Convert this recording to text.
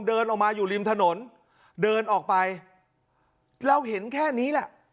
เดินออกมาอยู่ริมถนนเดินออกไปเราเห็นแค่นี้แหละ